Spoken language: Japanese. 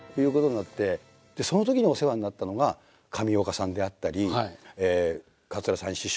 そのときにお世話になったのが上岡さんであったり桂三枝師匠